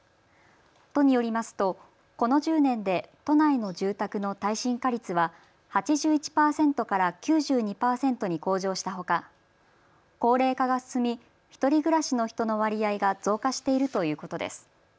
都によりますとこの１０年で都内の住宅の耐震化率は８１％から９２％に向上したほか高齢化が進み１人暮らしの人の割合が増加しているということです。